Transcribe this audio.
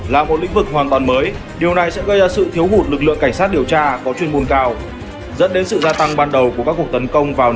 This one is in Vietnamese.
là một lĩnh vực hoàn toàn mới điều này sẽ gây ra sự thiếu hụt lực lượng cảnh sát điều tra có chuyên môn cao dẫn đến sự gia tăng ban đầu của các cuộc tấn công vào